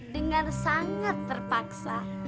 dengan sangat terpaksa